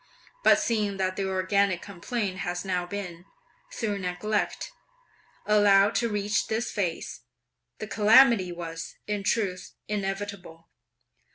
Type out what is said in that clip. But seeing that the organic complaint has now been, through neglect, allowed to reach this phase, this calamity was, in truth, inevitable.